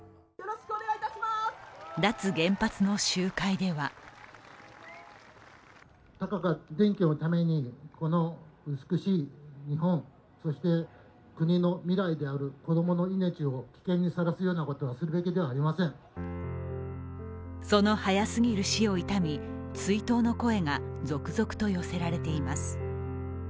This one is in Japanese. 脱原発の集会ではその早すぎる死を悼み、追悼の声が続々と寄せられています。